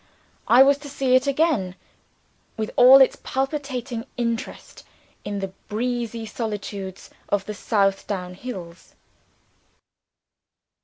I was to see it again, with all its palpitating interest, in the breezy solitudes of the South Down Hills.